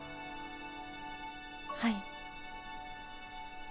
はい。